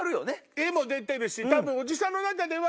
絵も出てるし多分。